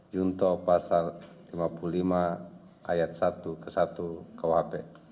junto pasal lima puluh lima ayat satu ke satu kuhp